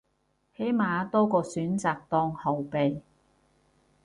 起碼多個選擇當後備